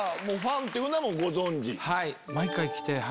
はい。